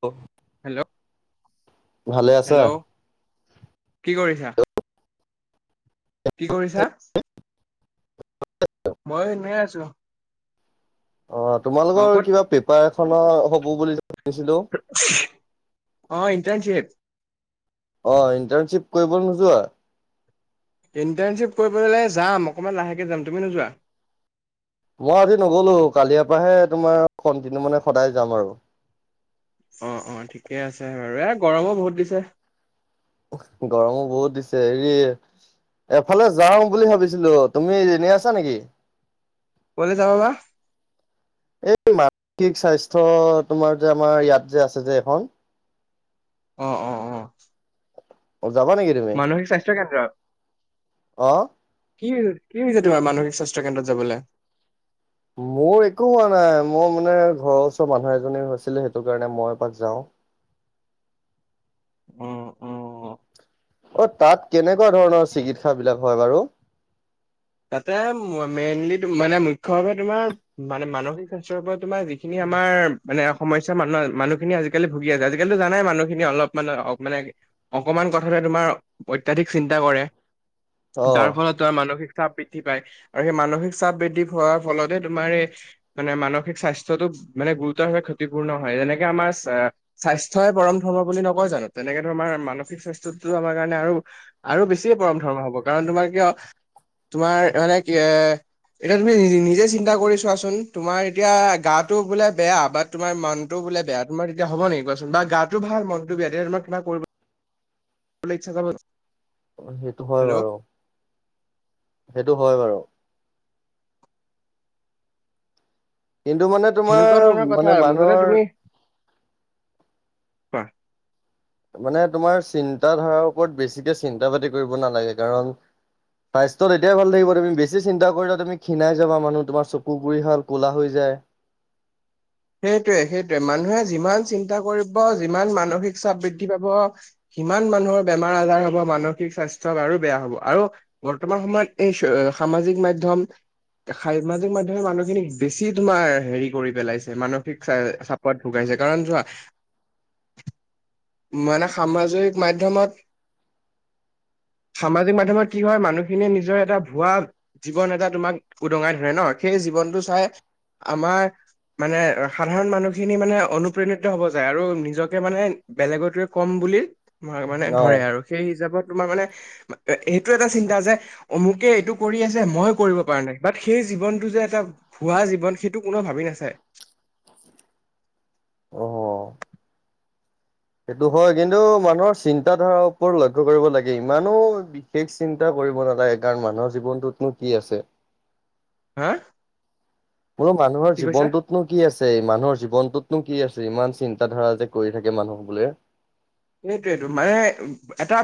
অ' hello, আছা? Hello! কি কৰিছা। [unintelligible] কি কৰিছা? মই এনেই আছোঁ। অ' অ তোমালোকৰ ক'ত কিবা পেপাৰ এখনৰ হ'ব বুলি যে, শুনিছিলোঁ। [inaudible] অ' ইণ্টাৰ্ণশ্বিপ। অ' ইণ্টাৰ্ণশ্বিপ কৰিব নোযোৱা? ইণ্টাৰ্ণশ্বিপ কৰিবলৈ যাম অকণমান লাহেকৈ যাম তুমি নোযোৱা। মই আজি নগ'লো, কালিয়াপাহে তোমাৰ কণ্টিনিউ মানে সদায় যাম আৰু। অ', অ' ঠিকে আছে বাৰু, এ গৰমো বহুত দিছে। গৰমো বহুত দিছে হেৰি এফালে যাওঁ বুলি ভাবিছিলোঁ, তুমি এনে আছা নেকি? ক'লৈ যাব বা। এই মানসিক স্বাস্থ্য তোমাৰ যে, আমাৰ ইয়াত যে, আছে যে এখন। অ', অ'। অ অ' যাব নেকি? তুমি? মানসিক স্বাস্থ্য কেন্দ্ৰ। অ কি, কি হৈছে তোমাৰ মানসিক স্বাস্থ্য কেন্দ্ৰত যাবলৈ। মোৰ একো হোৱা নাই, মোৰ মানে ঘৰৰ ওচৰৰ মানুহ এজনী হৈছিলে সেইটো কাৰণে মই এপাক যাওঁ। উম, উম। অ' তাত কেনেকুৱা ধৰণৰ চিকিৎসা বিলাক হয় বাৰু। তাতে মে-মেইনলি মানে, মুখ্য ভাৱে তোমাৰ মানে মানসিক স্বাস্থ্যৰ পৰা তোমাৰ যিখিনি আমাৰ মানে সমস্যা মানুহৰ, মানুহখিনি আজি আজি কালি ভুগি আছে। আজিকালিটো জানাই মানুহখিনি অলপানে, অ' মানে অকমান কথাতে তোমাৰ অত্যাধিক চিন্তা কৰে, অ তাৰ ফলত তোমাৰ মানসিক চাপ বৃদ্ধি পায় আৰু সেই মানসিক চাপ বৃদ্ধি হোৱাৰ ফলতে তোমাৰ এই মানে মানসিক স্বাস্থ্যটো মানে গুৰুতৰ ভাৱে ক্ষতিপূৰ্ণ হয়, যেনেকে আমাৰ চা স্বাস্থ্যই পৰম ধৰ্ম বুলি নকয় জানোঁ। তেনেকে তোমাৰ মানসিক স্বাস্থ্য আমাৰ কাৰণে আৰু আৰু বেছিয়ে পৰম ধৰ্ম হ'ব। কাৰণ তোমাৰ কিয় তোমাৰ মানে কি এ এতিয়া তুমি নি-নিজে চিন্তা কৰি চোৱাচোন, তোমাৰ এতিয়া গাটো বোলে বেয়া, বাত তোমাৰ মনতটো বোলে বেয়া, তোমাৰ তেতিয়া হ'ব নেকি কোৱাচোন বা গাটো ভাল মনতটো বেয়া, তেতিয়া তোমাৰ কিবা কৰিব পুলিচ [inaudible] অ' সেইটো হয় বাৰু। সেইটো হয় বাৰু। কিন্তু মানে সেনেকুৱা তোমাৰ, ধৰণৰ কথা মানে আৰু মুঠতে মানুহৰ তুমি কোৱা। মানে তোমাৰ চিন্তা ধাৰাৰ ওপৰত বেছিকে চিন্তা পাতি কৰিব নালাগে, কাৰণ স্বাস্থ্য তেতিয়াহে ভাল থাকিব, তুমি বেছি চিন্তা কৰিলে তুমি ক্ষিনাই যাবা, মানে তোমাৰ চকু গুৰি হাল ক'লা হৈ যায়। সেইটোৱে সেইটোৱে মানুহে যিমান চিন্তা কৰিব, যিমান মানসিক চাপ বৃদ্ধি পাব সিমান মানুহৰ বেমাৰ আজাৰ হ'ব মানসিক স্বাস্থ্য আৰু বেয়া হ'ব। আৰু বৰ্তমান সময়ত এই সামাজিক মাধ্যম-। সামাজিক মাধ্যমে মানুহখিনিক বেছি তোমাৰ হেৰি কৰি পেলাইছে। মানসিক চ চাপত ভুকাইছে কাৰণ চোৱা-। মানে সামাজিক মাধ্যমত-। সামাজিক মাধ্যমত কি হয় মানুহখিনিয়ে নিজৰ এটা ভুৱা-। জীৱন এটা তোমাক উদঙাই ধৰে ন সেই জীৱনটো চাই আমাৰ-। মানে সাধাৰণ মানুহখিনি মানে অনুপ্ৰেণিত হ'ব যায় আৰু নিজকে মানে বেলেগটোৱে ক'ম বুলি-। তোমাৰ মানে অ', ধৰে আৰু সেই হিচাপত তোমাৰ মানে সেইটো এটা চিন্তা যে-। অমুকে এইটো কৰি আছে মই কৰিব পৰা নাই। বাট সেই জীৱনটো যে এটা-। ভুৱা জীৱন সেইটো কোনেও ভাবি নাচায়। অ। সেইটো হয়। কিন্তু মানুহৰ চিন্তাধাৰাৰ ওপৰত লক্ষ্য কৰিব লাগে। ইমানো। বিশেষ চিন্তা কৰিব নালাগে। কাৰণ মানুহৰ জীৱনটোতনো কি আছে। হা। হ'লো মানুহৰ কি কৈছা? জীৱনটোত, নো কি আছে? এই মানুহৰ জীৱনটোতনো কি আছে? ইমান চিন্ত ধাৰা যে কৰি থাকে মানুহ বোৰে। সেইটোইটো মানে। এটা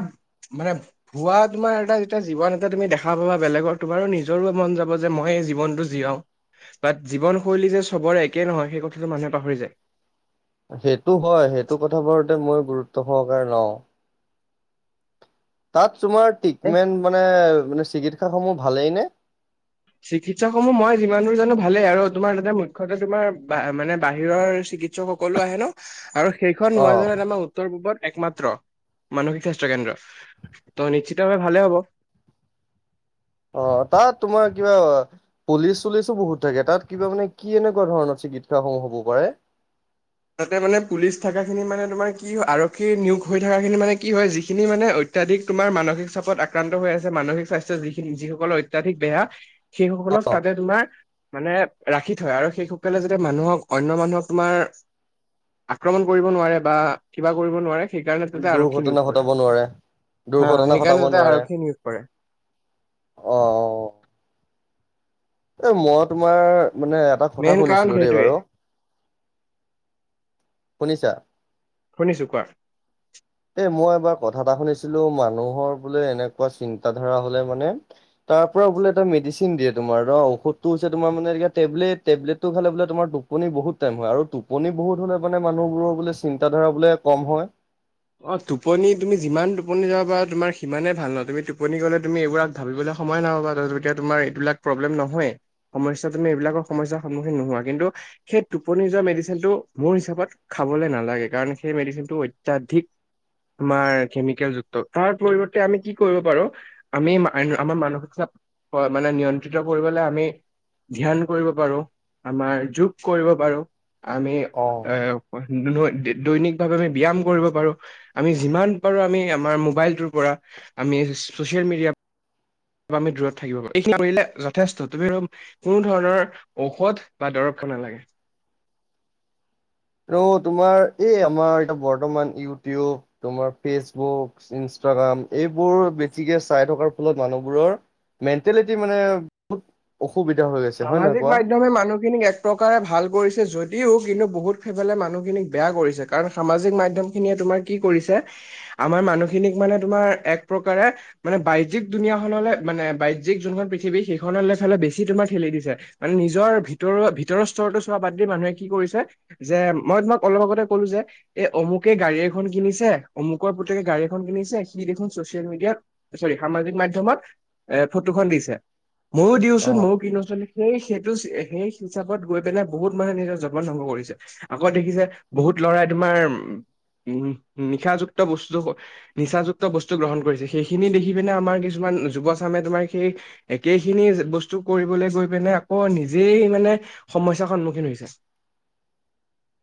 মানে, হোৱা তোমাৰ এটা যেতিয়া জীৱন এটা তুমি দেখা পাবা বেলেগৰ, তোমাৰো নিজৰো মন যাব যে মই জীৱনটো,। যি হওক। বাত জীৱনশৈলী যে চবৰে একে নহয় সেই কথাটো মানুহে পাহৰি যায়। সেইটো হয়। সেইটো কথাবোৰতে মই গুৰুত্ব সহকাৰে লওঁ। তাত তোমাৰ, এ ট্ৰিটমেন্ট মানেে চিকিৎসা সমূহ ভালেই নে? চিকিৎসা সমূহ মই যিমান দূৰ জানো ভালেই, আৰু তোমাৰ তাতে মুক্ষকে তোমাৰ মানে বাহিৰৰ চিৎ। উৎস সকলো আহে ন, আৰু সেইখন অ', মইজনাত আমাৰ। উত্তৰ-পূ্বত একমাত্ৰ মানসিক স্বাস্থ্য কেন্দ্ৰ, ত' নিশ্চিতভাৱে ভালে হ'ব। অ', তাত তোমাৰ কিবা, পুলিছ-চোলিছ বহুত থাকে। তাত কিবা মানে কি এনেকুৱা ধৰণৰ চিকিৎসাসমূহ হ'ব পাৰে? তাতে মানে পুলিছ থকা খিনি মানে তোমাৰ কি আৰক্ষী নিয়োগ হৈ থকা খিনি মানে কি হয় যিখিনি মানে। অত্যাধিক তোমাৰ মানসিক চাপত আক্ৰান্ত হৈ আছে মানসিক স্বাস্থ্য যিখিনি যিসকলৰ অত্যাধিক বেয়া। সেইসকলৰ অ', তাত। যে তোমাৰ মানে ৰাখি থয় আৰু সেইসকলে যা মানুহক অনয় মানুহক তোমাৰ। আক্ৰমণ কৰিব নোৱাৰে বা কিবা কৰিব নোৱাৰে সেইকাৰণে তাতে আৰক্ষী দুৰ্ঘটনা নিয়োগ ঘটাব কৰে। নোৱাৰে হা দুৰ্ঘটনা ঘটাব সেইকাৰণে যাতে নোৱাৰে। আৰক্ষীয়ে নিয়োগ কৰে। অ', অ। এ মই তোমাৰ মানে এটা কথা মেইন কাৰণ শুনিছিলোঁ দেই সেইটোৱে বাৰু, শুনিছা? শুনিছো কোৱা। এই মই এবাৰ কথা এটা শুনিছিলোঁ মানুহৰ বোলে এনেকুৱা চিন্তা ধাৰা হ'লে মানে। তাৰ পৰাৰা বোলে এটা মেডিচিন দিয়েোমাৰ ষধটো হৈছে তোমাৰ মানে এতিলেট টবলেটো খালে বোলে তোম। টোপনি বহুত টাইম হয় আৰু টোপনি বহুত হ'লে মানে মানুহবোৰৰ বোলে চিন্তাধাৰা বোলে কম হয়। অ টোপনি তুমি যিমান টোপনি যাবা পাৰা তোমাৰ সিমানে ভাল নহ তুমি টোপনি গ'লে তুমি এইবোৰাক। ভাবিবলৈ সময় নাইহ'বা ততিয়া তোমাৰ এইবিলাক প্ৰব্লেম নহয়েই। সমস্যা তুমি এইবিলাকৰ সমস্যাৰ সন্মুখীন নোহোৱা কিন্তু। সেই টোপনি যোৱা মেডিচিন টো মোৰ হিচাপত খাবলৈ নালাগে কাৰণ সেই মেডিচিন টো অত্যাধিক। আমাৰ কেমিকেল যুক্ত তাৰ পৰিৱৰ্তে আমি কি কৰিব পাৰো। আমি আমাৰ মানসিক চাপ মানে নিয়ন্ত্ৰিত কৰিবলৈ আমি। ধ্যান কৰিব পাৰো, আমাৰ যোগ কৰিব পাৰো। আমি অ'। এ দুনৈ দৈনিক ভাৱে আমি ব্যায়াম কৰিব পাৰো। আমি যিমান পাৰো আমি আমাৰ মোবাইলটোৰ পৰা আমি চচিয়েল মিডিয়া আমি দূৰত থাকিব পাৰো। এইখিনি কৰিলে যথেষ্ট তুমি আৰু কোনো ধৰণৰ ঔষধ বা দৰব খাব নালাগে। আৰু তোমাৰ এই আমাৰ এতিয়া বৰ্তমান ইউটিউব তোমাৰ ফেচবুক, ইনষ্টাগ্ৰাম এইবোৰ বেছিকে চাই থকাৰ ফলত মানুহবোৰৰ মেণ্টেলিটি মানে অসুবিধা হৈ গৈছে হয় নহয় সামাজিক কোৱা? মাধ্যমে মানুহখিনিক এক প্ৰকাৰে ভাল কৰিছে যদিও কিন্তু বহুত সেইফালে মানুহখিনিক বেয়া কৰিছে, কাৰণ সামাজিক মাধ্যমখিনিয়ে তোমাৰ কি কৰিছে আমাৰ মানুহখিনিক মানে তোমাৰ এক প্ৰকাৰে মানে বাজ্যিক দুুনীয়াখনলৈ মানে বাজ্যিক যোনখন পৃথিৱী সেইখনলৈ ফালে বেছি তোমাৰ ঠেলি দিছে, মানে নিজৰ ভিতৰৰ ভিতৰৰ স্তৰতো চোৱা বাদ দি মানুহে কি কৰিছে যে মই তোমাক অলপ আগতে কলো যে এ অমুকে গাড়ী এখন কিনিছে, অমুকৰ পুতেকে গাড়ী এখন কিনিছে সি দেখোন চচিয়েল মিডিয়াত চৰি সামাজিক মাধ্যমত এ ফটোখন দিছে, ময়ো দিওঁচোন অ'। মইও কিনো সেই সেইটো সেই হিচাপত গৈ পেলাই বহুত মানুহে নিজৰ জীৱন ধ্বংস কৰিছে। আকৌ দেখিছে বহুত ল'ৰাই তোমাৰ উম উম নিশাযুক্ত বস্তু নিচাযুক্ত বস্তু গ্ৰহণ কৰিছে, সেইখিনি দেখি পিনে আমাৰ কিছুমান যুৱচামে তোমাৰ সেই একেখিনি বস্তু কৰিবলৈ গৈ পিনে আকৌ নিজেই মানে সমস্যাৰ সন্মুখীন হৈছে।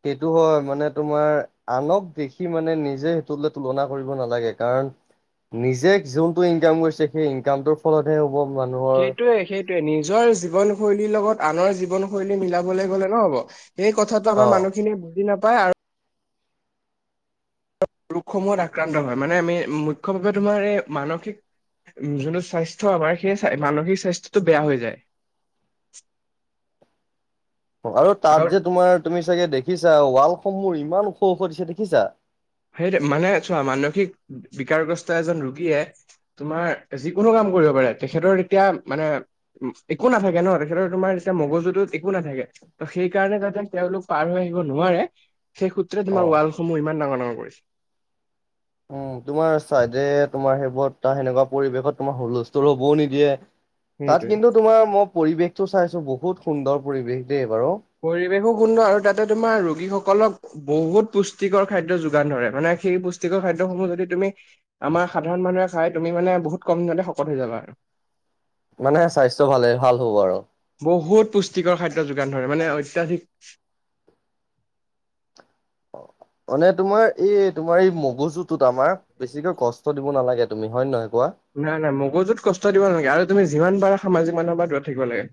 সেইটো হয়, মানে তোমাৰ আনক দেখি মানে নিজে সেইটোলে তুলনা কৰিব নালাগে কাৰণ নিজে যোনটো ইনকাম কৰিছে সেই ইনকামটো ফলত হে হব মানুহৰ সেইটোৱে সেইটোৱে নিজৰ জীৱনশৈলীৰ লগত আনৰ জীৱনশৈলী মিলাবলে গলে নহব। এই কথাটো অ আমাৰ মানুহখিনিয়ে বুজি নাপায় আৰু ৰোগসমূহত আক্ৰান্ত হয়, মানে আমি মুখ্য ভাৱে তোমাৰ এই মানসিক উম যোনটো স্বাস্থ্য আমাৰ সেই মানসিক স্বাস্থ্যটো বেয়া হৈ যায়। আৰু তাত যে তোমাৰ তুমি চাগে দেখিছা ৱালসমূহ ইমান ওখ ওখ দিছে দেখিছা। সেইটোৱে মানে চোৱা মানসিক বিকাৰগ্ৰস্ত এজন ৰোগীয়ে তোমাৰ যিকোনো কাম কৰিব পাৰে, তেখেতৰ এতিয়া মানে একো নাথাকে ন তেখেতৰ তোমাৰ এতিয়া মগজুটোত একো নাথাকে। ত' সেই কাৰণে যাতে তেওঁলোক পাৰ হৈ আহিব নোৱাৰে সেই সূত্ৰে অ তোমাৰ ৱালসমূহ ইমান ডাঙৰ ডাঙৰ কৰিছে। উম তোমাৰ ছাইডে তোমাৰ সেইবোৰ তা সেনেকোৱা পৰিৱেশত তোমাৰ হুলস্থ টোল হবও নিদিয়ে, তাত সেইটোৱে কিন্তু তোমাৰ ম পৰিৱেশটো চাইছো বহুত সুন্দৰ পৰিৱেশ দেই বাৰু। পৰিৱেশো সুন্দৰ আৰু তাতে তোমাৰ ৰোগীসকলক বহুত পুষ্টিকৰ খাদ্য যোগান ধৰে, মানে সেই পুষ্টিকৰ খাদ্যসমূহ যদি তুমি আমাৰ সাধাৰণ মানুহে খায় তুমি মানে বহুত কম দিনতে শকত হৈ যাবা আৰু। মানে স্বাস্থ্য ভালে ভাল হ'ব আৰু। বহুত পুষ্টিকৰ খাদ্য যোগান ধৰে মানে অত্যাধিক! অ মানে তোমাৰ এই তোমাৰ এই মগজুটোত আমাৰ বেছিকে কচ ত দিব নালাগে তুমি। হয় নে নহয় কোৱা? নাই নাই মগজুত কষ্ট দিব নালাগে, আৰু তুমি যিমান পাৰা সামাজিক মাধ্যমৰ পৰা দূৰত থাকিব লাগে।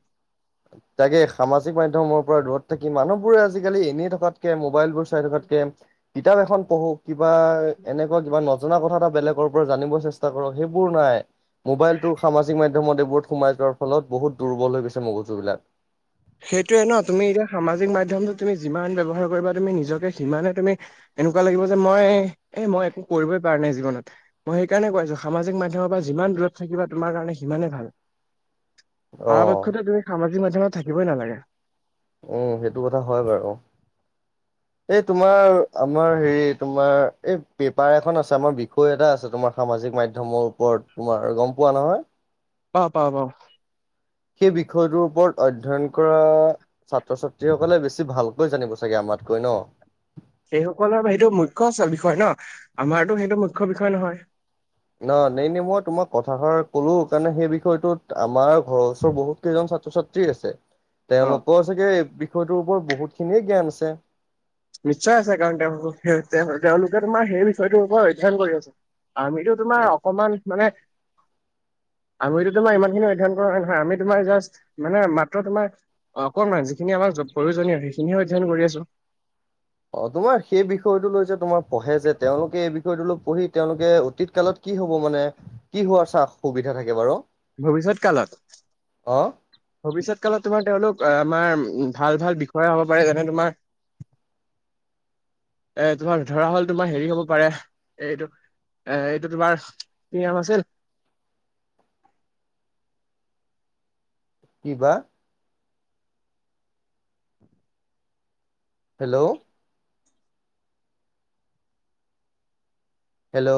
তাকে সামাজিক মাধ্যমৰ পৰা দূৰত থাকি মানুহ বোৰে আজিকালি এনেই থকাতকে মোবাইলবোৰ চাই থকাতকে কিতাপ এখন পঢ়ো কিবা এনে কিবা নজনা কথা এটা বেলেগৰ পৰা জানিব চেষ্টা কৰক সেইবোৰ নাই, মোবাইলটোৰ সামাজিক মা ধ্যমত সোমাই যোৱাৰ ফলত বহুত দুৰ্বল হৈ গৈছে মগজু বিলাক। সেইটোৱে ন তুমি এতিয়া সামাজিক মাধ্যমটো তুমি যিমান ব্যৱহাৰ কৰিবা তুমি নিজকে সিমানে তুমি এনেকোৱা লাগিব যে মই এ মই একো কৰিবই পৰা নাই জীৱনত। মই সেইকাৰণে কৈ আছো সামাজিক মাধ্যমৰ পৰা যিমান দূৰত থাকিবা তোমাৰ কাৰণে সিমানেই ভাল। অ', পৰাপক্ষতে তুমি সামাজিক মাধ্যমত থাকিবই নালাগে। উম সেইটো কথা হয় বাৰু। [inaudible] এই তোমাৰ আমাৰ হেৰি তোমাৰ এই পেপাৰ এখন আছে আমাৰ বিষয় এটা আছে তোমাৰ সামাজিক মাধ্যমৰ ওপৰত তোমাৰ গম পোৱা নহয়? অঁ পাওঁ পাওঁ। সেই বিষয়টোৰ ওপৰত অধ্যয়ন কৰা ছাত্ৰ ছাত্ৰীসকলে বেছি ভালকৈ জানিব চাগে আমাতকৈ ন। সেইসকলৰ সেইটো মুখ্য বিষয় ন আমাৰতো সেইটো মুখ্য বিষয় নহয়। না নেইনে মই তোমাক কথাষাৰ ক'লো কাৰণে সেই বিষয়টো আমাৰ ঘৰৰ ওচৰ বহুত কেইজন ছাত্ৰ ছাত্ৰী আছে অ তেওঁলোকৰ চাগে বিষয়টোৰ ওপৰত বহুত খিনিয়ে জ্ঞান আছে। নিশ্চয় আছে কাৰণ তেওঁলোক তেওঁলোকে তোমাৰ সেই বিষয়টোৰ ওপৰত অধ্যয়ন কৰি আছে আমিতো তোমাৰ অকমান মানে আমিতো তোমাৰ ইমান খিনি অধ্যয়ন কৰা নাই নহয় আমি তোমাৰ জাষ্ট মানে মাত্ৰ তোমাৰ অ অকনমান যিখিনি আমাক প্ৰয়োজনীয় সেইখিনিয়ে অধ্যয়ন কৰি আছো। অ' তোমাৰ সেই বিষয়টো লৈ যে তোমাৰ পঢ়ে যে তেওঁলোকে এই বিষয়টো লৈ পঢ়ি তেওঁলোকে অতীত কালত কি হ'ব মানে কি হোৱাৰ সুবিধা থাকে বাৰু? ভৱিষ্যত কালত অ ভৱিষ্যত কালত তোমাৰ তেওঁলোক আমাৰ ভাল ভাল বিষয়া হ'ব পাৰে যেনে তোমাৰ এ তোমাৰ ধৰা হ'ল তোমাৰ হেৰি হ'ব পাৰে এইটো এ এইটো তোমাৰ কি নাম আছিল কিবা হেল্ল'! হেল্ল'!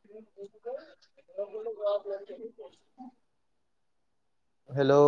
[unintelligible] হেল্ল'!